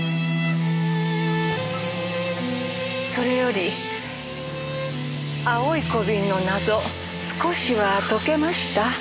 それより青い小瓶の謎少しは解けました？